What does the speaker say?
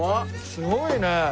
すごいね。